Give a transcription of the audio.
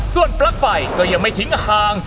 ส่วนปลั๊กไฟก็ยังไม่ทิ้งห่าง